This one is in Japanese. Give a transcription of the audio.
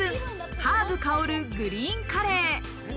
ハーブ香るグリーンカレー」。